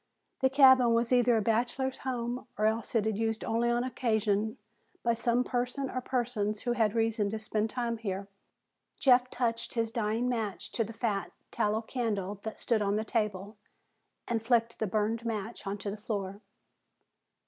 The cabin was either a bachelor's home or else it was used only on occasion by some person or persons who had reason to spend time here. Jeff touched his dying match to the fat tallow candle that stood on the table and flicked the burned match onto the floor.